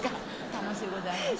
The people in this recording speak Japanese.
楽しゅうございました。